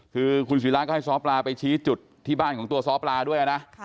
คือคุณศิราก็ให้ซ้อปลาไปชี้จุดที่บ้านของตัวซ้อปลาด้วยนะ